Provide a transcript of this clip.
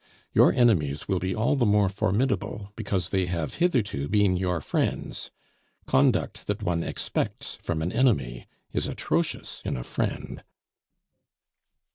Your enemies will be all the more formidable because they have hitherto been your friends. Conduct that one expects from an enemy is atrocious in a friend."